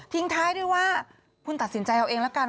ท้ายด้วยว่าคุณตัดสินใจเอาเองแล้วกัน